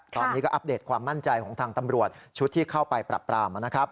ตอนนี้ก็อัปเดตความมั่นใจของทางตำรวจชุดที่เข้าไปปรับปรามนะครับ